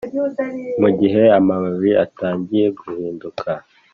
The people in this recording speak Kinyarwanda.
mugihe amababi atangiye guhinduka